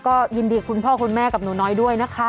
ก็ยินดีกับคุณพ่อคุณแม่กับหนูน้อยด้วยนะคะ